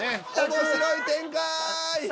面白い展開！